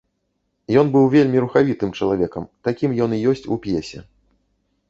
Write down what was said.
Ён быў вельмі рухавітым чалавекам, такім ён і ёсць у п'есе.